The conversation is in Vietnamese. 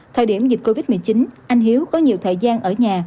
thời điểm dịch covid một mươi chín anh hiếu có nhiều thời gian ở nhà